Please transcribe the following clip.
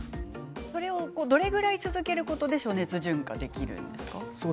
どれくらい続けることで暑熱順化できるんですか。